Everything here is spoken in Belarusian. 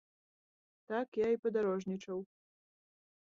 Так я і падарожнічаў.